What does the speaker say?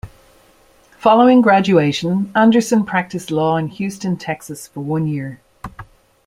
Following graduation, Anderson practiced law in Houston, Texas for one year.